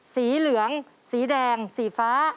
สีเหลืองสีแดงสีฟ้า